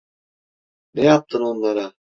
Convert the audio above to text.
Ne yaptın onlara?